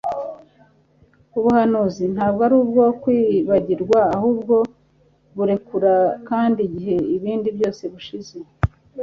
ubuhanzi ntabwo ari ubwo kwibagirwa ahubwo burekura kandi igihe ibindi byose bishize